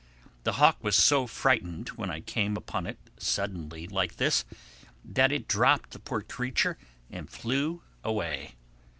The hawk was so frightened when I came upon it suddenly like this, that it dropped the poor creature and flew away.